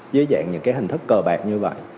dưới dạng những hình thức cờ bạc như vậy